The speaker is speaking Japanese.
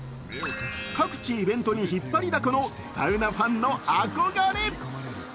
各地イベントに引っ張りだこのサウナファンの憧れ。